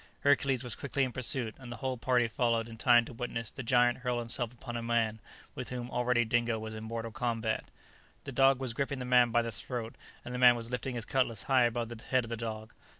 Hercules was quickly in pursuit, and the whole party followed in time to witness the giant hurl himself upon a man with whom already Dingo was in mortal combat. [Illustration: The dog was griping the man by the throat] The dog was griping the man by the throat, the man was lifting his cutlass high above the head of the dog.